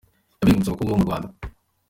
yabengutse abakobwa bo mu Rwanda